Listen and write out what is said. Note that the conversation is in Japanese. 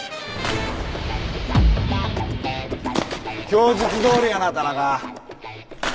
供述どおりやな田中。